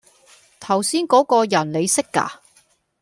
頭先嗰個人你識㗎？